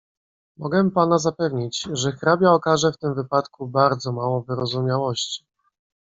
"Mogę pana zapewnić, że hrabia okaże w tym wypadku bardzo mało wyrozumiałości."